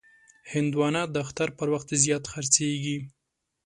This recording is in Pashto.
هندوانه د اختر پر وخت زیات خرڅېږي.